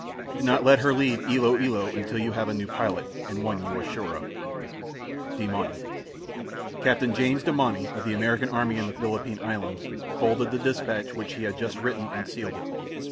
Do not let her leave Ilo Ilo until you have a new pilot, and one you are sure of. "Demauny." Captain James Demauny, of the American army in the Philippine Islands, folded the dispatch which he had just written, and sealed it.